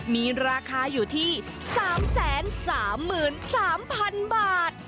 มีราคาอยู่ที่๓๓๓๐๐๐บาท